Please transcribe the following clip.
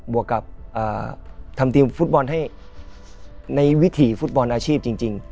วกกับทำทีมฟุตบอลให้ในวิถีฟุตบอลอาชีพจริง